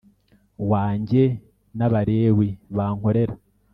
wanjye n Abalewi bankorera